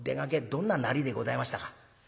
どんななりでございましたか？」。